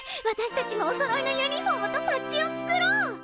私たちもおそろいのユニフォームとパッチを作ろう！